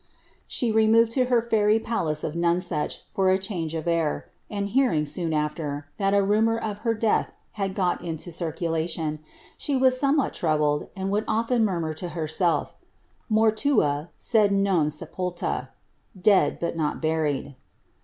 She remoffJ lo her fairy palace of Nonsuch for a change of air; and hearing, sooc after, that a rumour of her deaih had got into circulation, she was "omf whal troubled, and would often murmur to herself, "Mortua sfd »^ iepulla," —" dead, but not buried."